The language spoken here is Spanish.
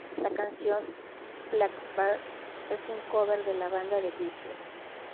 La canción ""Blackbird"" es un cover de la banda The Beatles.